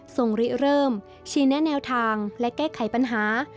ทรงริเริ่มชินแนวทางและแก้ไขปัญหา